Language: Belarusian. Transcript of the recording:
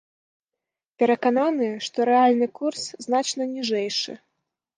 Перакананы, што рэальны курс значна ніжэйшы.